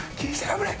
危ない！